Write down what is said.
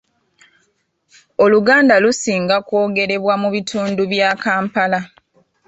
Oluganda lusinga kwogerebwa mu bitundu bya Kampala.